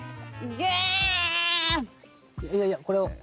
いやいやこれをこれだ。